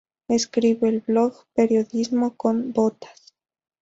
Escribe el blog "Periodismo con botas".